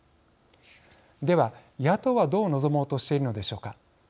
では、野党はどう臨もうとしているのでしょうか。